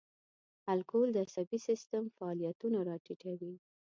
الکول د عصبي سیستم فعالیتونه را ټیټوي.